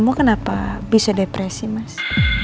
kamu kenapa bisa depresi mas